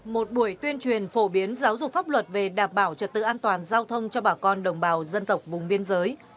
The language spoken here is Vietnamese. một buổi tuyên truyền phổ biến giáo dục pháp luật về đảm bảo trật tự an toàn giao thông cho bà con đồng bào dân tộc vùng biên giới